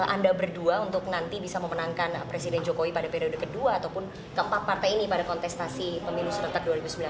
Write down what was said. anda berdua untuk nanti bisa memenangkan presiden jokowi pada periode kedua ataupun keempat partai ini pada kontestasi pemilu serentak dua ribu sembilan belas